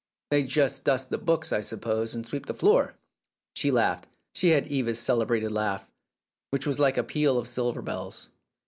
"They just dust the books, I suppose, and sweep the floor." She laughed. She had Eva's celebrated laugh, which was like a peal of silver bells.